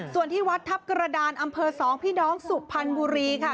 ส่วนที่วัดทัพกระดานอำเภอ๒พี่น้องสุพรรณบุรีค่ะ